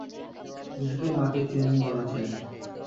শিশুটির মাকে চেনেন বলেছিলেন!